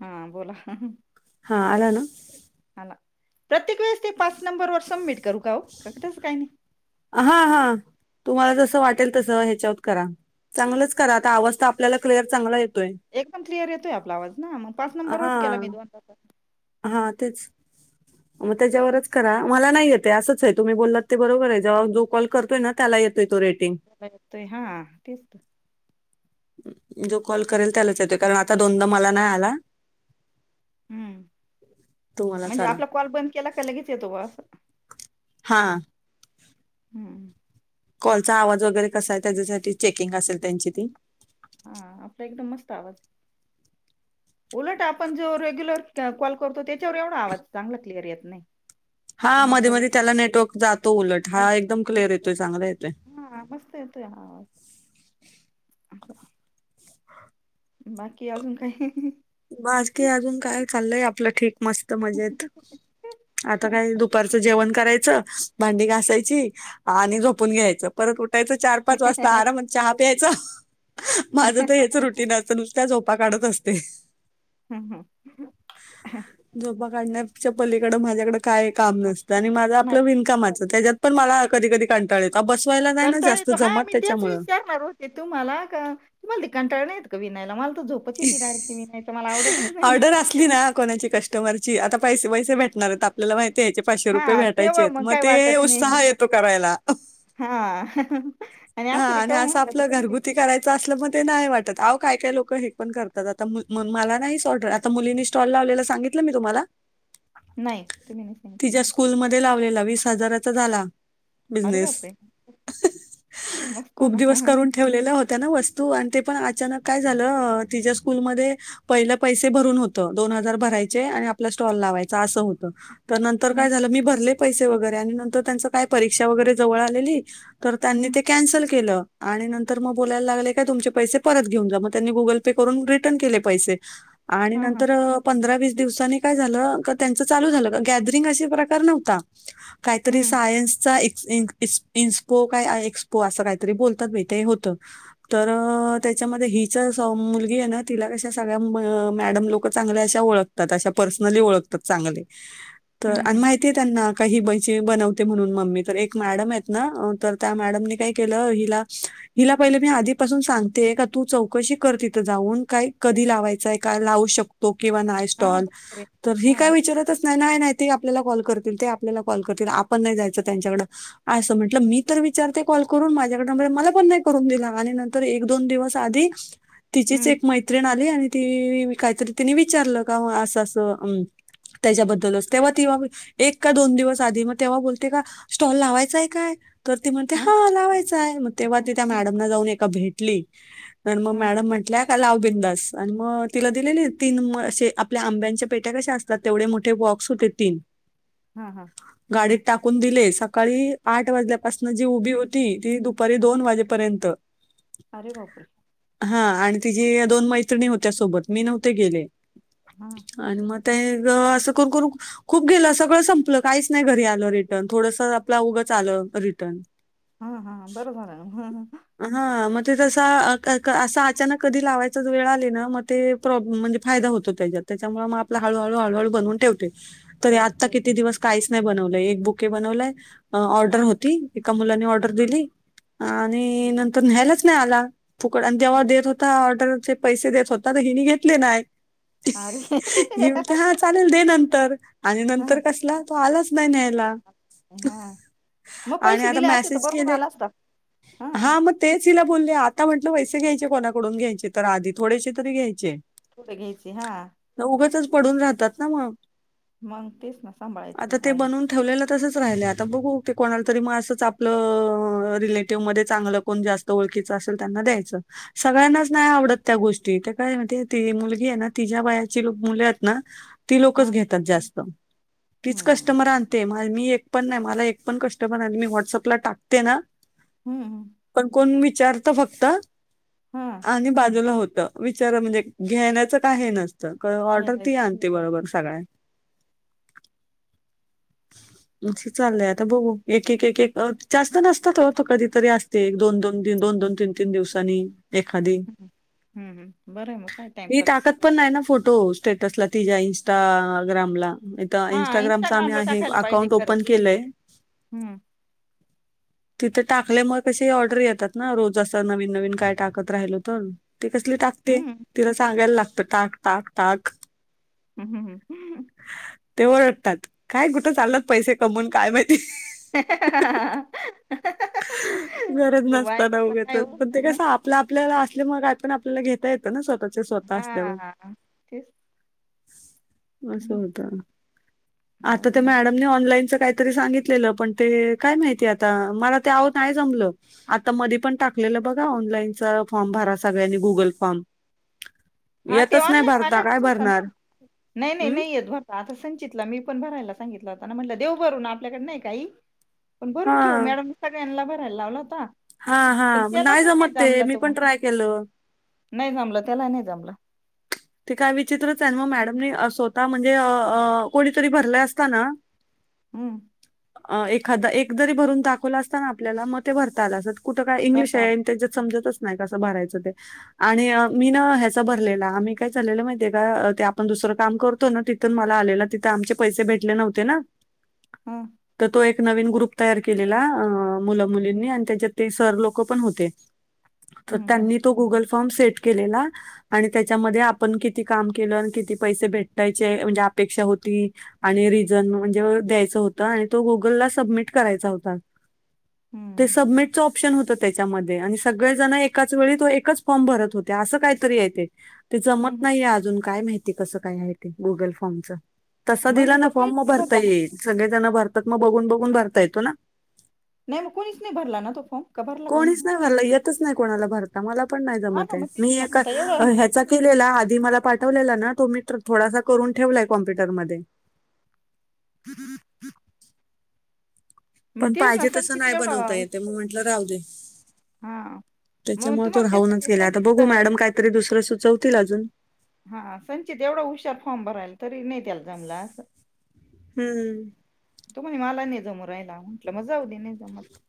हा. बोला. हां. आला ना? आला. प्रत्येक वेळेस ते पाच नंबर वर सबमिट करू का हो? का तस काही नाही. हां. हां. तुम्हाला जसं वाटेल तस ह्याच्यात करा. चांगलंच करा. आता आवाज तर आपल्याला क्लिअर चांगला येतोय. एकदम क्लिअर येतोय आपला आवाज ना? मग पाच नंबरवरच केला मी दोनदा तर. हां. तेच. [inaudible] म त्याच्यावरच करा. मला नाही येत ए. असंच ए. तुम्ही बोललात ते बरोबर आहे. जेव्हा जो कॉल करतोय ना त्याला येतोय तो रेटिंग. त्याला येतोय. हां. तेच तर. जो कॉल करेल त्यालाच येतोय. कारण आता दोनदा मला नाही आला. हम्म. तुम्हालाच म्हणजे आला आपला कॉल बंद केला का लगेच येतो बुवा अस. हां. हम्म. कॉल चां आवाज वगैरे कसायं? त्याज्यासाठी चेकिंग असेल त्यांची ती. आ आपला एकदम मस्त आवाज उलट आपण जो रेग्युलर कॉल करतो. त्याच्यावर एवढा आवाज चांगला क्लिअर येत नायं. हा मध्ये मध्ये त्याला नेटवर्क जातो उलट, नाही हा एकदम क्लिअर येतोय चांगला येतोय. हा, मस्त येतोय हा असं बाकी अजून कायं बाकी, अजून काय चाललंय आपलं ठीक. मस्त मजेत, आता काय दुपारचं जेवण करायचं भांडी घासायची. आणि झोपून घ्यायचं. परत उठायचं चार पाच वाजता आरामात चहा प्यायचां. माझं तर हेच रुटीन असत. नुसत्या झोपा काढत असते. हूं हूं झोपा काढण्याच्या पलीकड माझ्याकड काय काम नसतं. आणि माझं हम्म. आपलं विनकामाच, त्याज्यात पण मला कधी कधी कंटाळ येत अ बसवायला नाय न जास्त जमत त्याच्यामुळ ते, तुम्हाला का, तुम्हाला ते कंटाळा नाय येत का विणायला, मला त झोप पची येती. डायरेक्ट तिनी नाय त मला आवडतच नाही. ची णा कोणाची कस्टमरची आता, पैसे, पैसे भेटणार आहेत आप आपल्याला माहिती ये, याचे पाचशे रुपये हा तेव्हा भेटायचेयेत मग म, काय ते वाटत नाही उत्साह येतो करायला. हा, आणि असं रिकाम [unintelligible] किती असल म ते नायं वाटत. आओ काय काय लोक हे पण करतात. आता मला नाही. सोड आता मुलींनी स्टॉल लावलेला सांगितलं मी तुम्हाला नाही. तुम्ही नायं सांगितलं. कूलमध्ये लावलेला. वीस हजाराचा झाला. अरे बिझनेस बापरे मस्त खूप ना हा दिवस हा करून ठेवलेल्या होत्या ना वस्तू, आणि ते पण अचानक काय झालं तिच्या स्कूलमध्ये पहिलं पैसे भरून होतं. दोन हजार भरायचे. आणि आपला स्टॉल लावायचा. असं होतं. त नंतर हम्म, काय झालं, मी भरले पैसे वगैरे आणि नंतर, त्यांच काय परीक्षा वगैरे जवळ आलेली तर त्या हम्म, ते कॅन्सल केल. आणि नंतर, म बोलायला लागले काय तुमचे पैसे परत घेऊन जा, मग त्यांनी गूगल पे करून रिटर्न केले पैसे. आणि हा हा नंतर अ पंधरा, वीस दिवसांनी काय झालं. का, त्यांच चालू झालं, गॅदरिंग असे प्रकार नव्हता. काहीतरी हम्म, सायन्सचा एक्स, ईन, इस्प इन्सपो काय आएक्स पो असं काहीतरी बोलतात बाई, ते होत. तर त्याच्यामध्ये हिच सं मुलगी ये ना, तिला कशा सगळ्या मं मॅडम लोक चांगल्या अशा ओळख तात. अशा पर्सनली ओळखतात चांगले. तर, हम्म, आणि हम्म. माहितीय त्यांना का ही [unintelligible] बनवते म्हणून मम्मी तर, एक मॅडम आहेत ना तर, त्या मॅडमनी काय केलं हिला हिला पहिले मी आधीपासून सांगते का, तू चौकशी कर तिथं जाऊन काय कधी लावायचंय? काय लावू शक तो किंवा नाय हा, स्टॉल बरोबर आहे तर, ही हा काय विचारतच नाय नाय ते आपल्याला कॉल करतील. ते आपल्याला कॉल करतील. आपण नाय जायचं त्यांच्याकडं असं म्हटलं. मी तर विचारते कॉल करून माझ्याकडे नंबर ये. मला पण नाय करून दिला. आणि नंतर एक, दोन दिवस आधी, तिचीच हम्म, एक मै त्रिन आली. आणि ती कायतरी तिनी विचारलं का, असं असं त्याच्याबद्दलच तेव्हा तीवा एक का दोन दिवस आधी मग, तेव्हा बोलते का स्टॉल लावायचाय काय? तर ते हा लावायचाय मग, तेव्हा ती त्या मॅडम ना जाऊन एका भेटली तर, मग हा मॅडम म्हटल्या लाव बिनधास्त आणि मग तिला दिलेले तीन म असे, आपल्या आंब्यांच्या पेट्या कशा अस तात. तर तेवढे मोठे बॉक्स होते तीन हा हा. गाडीत टाकून दिले. सकाळी आठ वाजल्यापासन जी उभी होती, ती दुपारी दोन वाजेपर्यंत अरे बापरे! हा आणि तिची दोन मैत्रिणी होत्या सोबत. मी नव्हते गेले. हा आणि मग ते अस करून करू खूप गेलं, सगळं संपलं. काहीच नाही घरी आलं रिटर्न, थोडस आपलं उगंच आलं रिटर्न हा हा. बरं झालं. [inaudible] हा मग ते तस क असं अचानक कधी लावायचा वेळ आले ना, मग ते प्रॉप म्हणजे फायदा होतो त्याच्यात, त्याच्यामुळे आपल हळू हळू हळू हळू बनवून ठेवते. तरी करून आता किती ठेवलं इतके दिवस काहीच नाही बनवलय. एक बुके बनवलाय. ऑर्डर हा. होती एका मुलानी ऑर्डर दिली आणि नंतर न्यायलाच नाही आला. फुकट आणि जेव्हा देत होता ऑर्डरचे पैसे देत होता, तर हिनी घेतले नाही. अरे ही बोलते हा चालेल दे नंतर आणि हा नंतर कसला तो आलाच नाही न्याय ला हा मग आणि पैसे आता दिले असते तर मॅसेज बरोबर केले आला असता हा म तेच हिला बोलले, आता म्हटल, पैसे घ्यायचे कोणाकडून घ्यायचे तर, आधी थोडेसे तरी घ्यायचे. थोडे घ्यायचे. हा. म उघंचच पडून राहतात ना मग. मग तेच ना सांभाळायचे आता ते पाळी बनवून ठेवलेलं तसच राहिले, आता बघू ते कोणाला तरी मग असंच आपल रिलेट टिव्ह मध्ये चांगलं, कोण जास्त ओळखीच असेल त्यांना द्यायचं. सगळ्यांनाच नाय आवडत त्या गोष्टी. त्या काय ती मुलगी आहे ना, तिच्या वयाची मुले आहेत ना ती हा लोकच घेतात जास्त. तीच हम्म कस्टमर आन ते मी एक पण नाही, मला एक पण कस्टमर नाही मी व्हॉट्सअपला टाकते ना हुं हू. पण कोण विचारत फक्त हा हा. आणि बाजूला होत. विचार म्हणजे घेण्याचं काय हे नसतं, ऑर्डर हम्म ती आन ते बरोबर सगळ्या. मिक्सी चाललंय, आता बघु एक एक जास्त नसतात हो तो कधीतरी असते. एक दोन, दोन दोन, तिन दिवसांनी. एखादी. हू हू हुं. हुं. बरं आहे मग काय मी टाइमपास. टाकत पण नाही ना फोटो स्टेटसला तिच्या इनस्टा ग्रामला त हा इंस्टाग्रामच इंस्टाग्रामला आम्ही टाकायला पाहिजे अकाउंट ओपन खरंच केलंय. हम्म तिथं टाकल्यामुळे कशी ऑर्डरी येतात ना, रोज असं नवीन नवीन काय टाकत राहिल तर, ते कसली टाक ते हम्म तिला सांगायला लागत, टाक टाक टाक. हुं हू [inaudible] ते ओरडतात. काय कुठं चाललात पैसे कमवून काय माहिती. [inaudible] गरज तो बायका नसताना काय उघचच, हो. पण ते कस आपलं आपल्याला असल्यामुळे काय पण आपल्याला घेता येतं ना स्वतः चे स्वतः असल्यावर. हा तेच अस होत बर आता या मग काय. मॅडमनी ऑनलाईनच काय तरी सांगितलेलं पण ते काय माहिती आता मला ते आहो नाही जमलं. आता मधी पण टाकलेलं बघा ऑनलाईनच फॉर्म भरा सगळ्यांनी गुगल फॉर्म हां ते येतच नाही ऑनलाईन भरता काय वाल्यानाच होत ना भरणार नाही नाही हम्म नाही येत भर ता संचितलं मी पण भरायला सांगितलं होता ना म्हटलं देव भरून आपल्याकडे नाही काही. पण भरून ठेवू हा. मॅडमनी सगळ्यांना भरायला लावला होता. हां पण हां मग त्याला नाही पण जमत ते जमला मी तो पण ट्राय केलं. नाही जमलं त्यालाही नाही जमलं. ते काय विचित्रच आहे मग मॅडमनी स्वतः म्हणजे कोणीतरी भरला असता ना हम्म. अ एखादा एकतरी भरून दाखवला असताना आपल्याला मग ते भरता आला असता. कुठं काय इंग्लिश भरता आहे आला आणि त्याच्यात समजतच नाही कसं भरायच ते आणि मी ना ह्याचा भरलेलं आम्ही एक काय चालेलं माहितीये का ते आपण दुसरं काम करतो ना तिथून मला आलेलं तिथं आमचे पैसे भेटले नव्हते ना. हम्म. तर तो एक नवीन ग्रुप तयार केलेला मुला मुलींनी आणि त्याच्यात ते सर लोकं पण होते. [inaudible] तर हम्म त्यांनी तो गुगल फॉर्म सेट केलेला आणि त्याच्यामध्ये आप पण किती काम केलो आणि किती पैसे भेटायचे म्हणजे अपेक्षा होती आणि रिझन म्हणजे द्यायचं होतं आणि तो गुगलला सबमिट करायचा होता. ते हम्म सबमिट ऑप प्शन होत त्याच्यामध्ये आणि सगळे जण एकाच वेळी तो एकच फॉर्म भरत होते असं काहीतरी आहे ते. ते जमत हम्म नाहीये अजून काय माहिती कसं काय आहे ते गुगल फॉर्मच. तसा दिला म्हणजे ना तो फॉर्म कोणीच मग नाही भरता भरला ना येईल सगळे जण भरतात मग बघून बघून भरता येतो ना. नाही मग कोणीच नाही भरला ना तो फॉर्म का भरला कोणी कोणीच नाही भरला येतच नाही कोणाला भरता, मला पण नाही हा जमत ना आहे. मग तेच मी ना एक आता एवढं ह्याचा केलेला आधी मला पाठवलेला ना तो मी थोडासा करून ठेवलाय कॉम्प्युटर मध्ये [inaudible] मग पण तेच ना पाहिजे तसं संचित नाही एवढा बनवता येत हुश- आहे मग म्हंटलं राहूदे. हा मग त्याच्यामुळे तो तुम्हाला तेच राहूनच म्हणजे गेला आता संचित बघू अं, मॅडम काहीतरी दुसरं सुचवतील अजून. हां संचित एवढा हुशार फॉर्म भरायला, तरी नाही त्याला जमलं अस हम्म. तो म्हणे मला नाही जमू राहियला म्हटलं मजाऊ दे नाही जमत तर.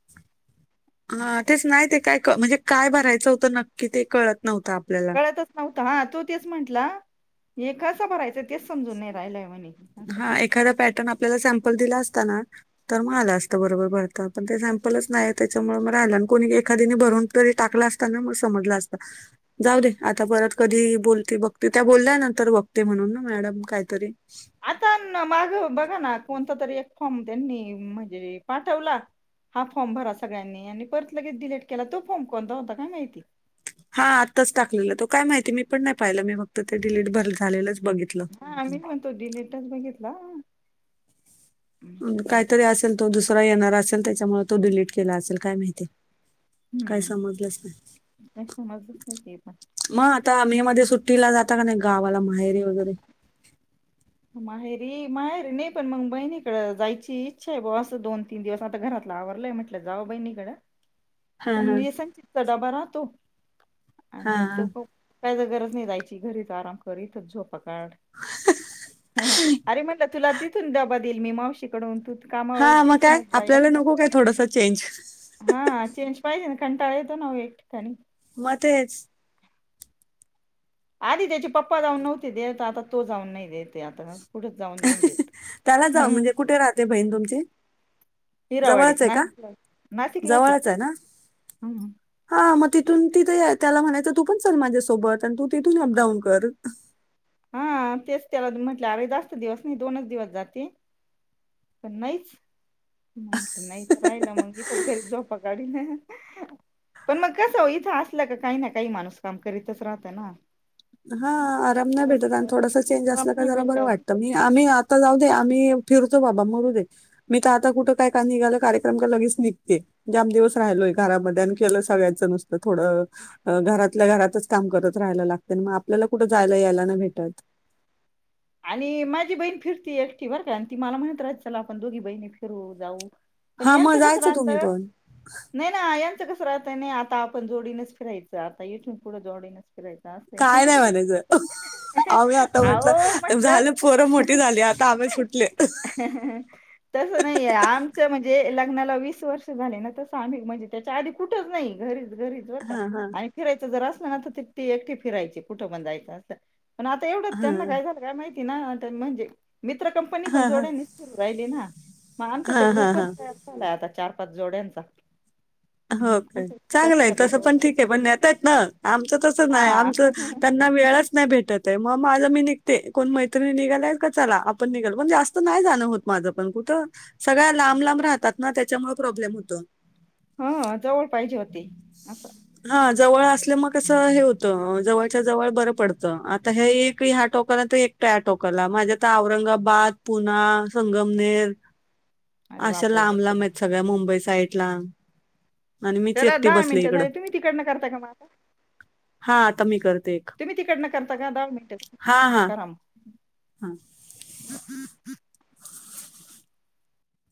हां तेच नाही ते काय म्हणजे काय भरायचं होतं नक्की ते कळत नव्हतं आपल्याला. कळतंच नव्हतं हां तो तेच म्हंटला, हे कसं भरायचं आहे? तेच समजून नाही राहिलाय म्हणे असं. हां, एखादा पॅटर्न आप आपल्याला सॅम्पल दिला असता ना तर मग आलं असतं बरोबर भरता पण ते सॅम्पलच नाही त्याच्यामुळे मग आला आणि कोणी एखादीने भरून तरी टाकला अस ता ना मग समजला असता. जाऊ दे आता परत कधी बोलते बघते, त्या बोलल्या नंतर बघते म्हणून ना मॅडम कायतरी. आता मागं बघा ना कोणता तरी एक फॉर्म त्यांनी म्हणजे पाठवला. हा फॉर्म भरा सगळ्यांनी आणि परत लगेच डिलीट केला तो फॉर्म कोणता होता काय माहिती? हा आत्ताच टाकलेलं तो काय माहिती मी पण नाही पाहिलं मी फक्त ते डिलीट भर झालेलंच बघितलं. हा म्हणतो डीलेटच बघितला म्हटलं जाऊ द्या काहीतरी असेल तो दुसरा येणार असेल त्यांच्यामुळे तो डिलीट केला असेल काय माहिती. काय हम्म. समजलंच नाही काय समजलंच नाही ते पण मग आता मे मध्ये सुट्टीला जाता का नाही गावाला माहेरीे वगैरे. माहेरी, माहेरी नाही पण मग बहिणीकडं जायची इच्छा आहे बाऊ असं दोन तीन दिवस आता घरातला आवरलंय म्हटल्यावर. त्या जाव बहिणीकडे. हा हा पण हे सां तितचा डबा राहतो आणि तो हा ख काय जर गरज नाही जायची, घरीच आराम करी झोप अरे म्ह तुला तिथून दबा देईल मी मावशीकडून त हा मग काय आपल्याला नको काय थोडस चेंज. हा चेंज पाहिजे ना कंटाळा येतो ना एक ठिकाणी. म तेच आधी त्याचे पप्पा जाऊन नव्हते देत, आता तो जाऊन नाही देतते आता. कुठंच जाऊन नाही देत त्याला जा, म्हणजे कुठे राहते बहीण तुमची? हिरावाडीत जवळचये का, नाशिकला नाशिकलाच जवळच आहे ना. हम्म. हा मग तिथून तिथं त्याला म्हणायचं तू पण चल माझ्यासोबत आणि तिथून अप डाऊन कर. हा तेच त्याला म्हटलं अरे जास्त दिवस नाही दोनच दिवस जाते. पण नाहीइच, नाही तर राहिलं मग इथ घरी झोपा काढीन. ना पण मग कसं इथं असलं का काही ना काही माणूस काम करीतच राहतं ना. हा आराम नाही भेटत आणि तसं थोडास चेंज काम असलं का नाही जला बरं भेटत वाटतं. म आम्ही आता जाऊ दे आम्ही फिरतो बाबा मरू देत. मी तर आता कुठं काय का निघालं कार्यक्रम का लगेच निघते. ज्याम दिवस राहिलोय घरामध्ये आणि केलय सगळ्यांचं नुसतं थोडं घरातल्या घरातच काम करत राहायला लागते, मग आपल्याला कुठं जायला यायला ना भेटत आणि माझी बहीण फिरती एकटी बर का आणि ती मला म्हणत रा चला आपण दोघी बहिणी फिरू जाऊ पण हां, मग यांचं कस जायचं राहत? तुम्ही पण. नाही ना, यांचं कसं राहतं नाही ना आता आपण जोडीनच फिरायचं आता येच पुढं जोडीनच. फिरायचं असंय. काय नाही म्हणायचं आ्ही आता अहो म्हटलं झालं पोरं म्हटलं मोठी आता आम्ही सुटले. तसं नाहीय आमचं म्हणजे, लग्नाला वीस वर्ष झाले. ना तसं आम्ही म्हणजे. त्याच्या आधी कुठंच नाही, घरीच घरीच. हां, हां. आणि फिरायचं जर असल ना, तर ती एकटी फिरायची कुठं पण जायचं असं पण आता एवढंच त्यांना हां. काय झालं काय माहिती ना म्हणजे मित्र कंपनी पण हां, हां. जोड्यान राहिली ना, मग आमचा तो हां, हां, ग्रुपच हां. तयार झाला आता चार पाच जोड्यांचा. हो मग का कुठे जायचं चांगलं असलं आहे का ते तसं पण ठीक आहे, दोघं पण नता येत ना आमचं तसं नाही हा आमच त्यां वेळच नाही भेटत आहे मग मग माज मी निघते कोण मैत्रिणी निघाल का चला, आपण निघाल पण जास्त नाही जाण होत. माझं पण कुठं, सगळ्या लांब लांब राहतात ना त्याच्यामुळे प्रॉब्लेम होतो. ह जवळ पाहिजे होते असं हा जवळ असल्या मगसं हे होतं, जवळच्या जवळ बरं पडतं आता हे एक ह्या टॉप. परत एक त्या टोकरला माझ्या आता, औरंगाबाद, पुना, संगमनेर. [inaudible] अशा बापरे लांब भरपूर लांब आहेत, सगळ्या मुंबई साईड ला चला दहा मिनटं झाले, तुम्ही तिकडनं करता का मला आता. हा आता मी करते. तुम्ही तिकडनं करता का दहा मिनट हां, हां, करा मग. हां.